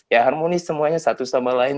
ya harmonis semuanya satu sama lain